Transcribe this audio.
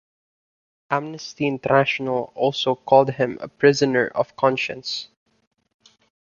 Amnesty International also called him a prisoner of conscience.